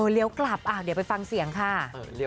เลี้ยวกลับเดี๋ยวไปฟังเสียงค่ะ